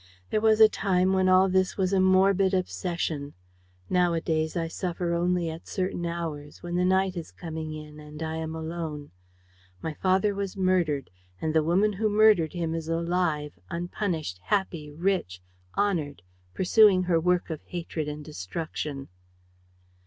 There was a time when all this was a morbid obsession: nowadays, I suffer only at certain hours, when the night is coming in and I am alone. My father was murdered; and the woman who murdered him is alive, unpunished, happy, rich, honored, pursuing her work of hatred and destruction."